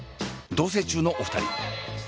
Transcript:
同棲中のお二人。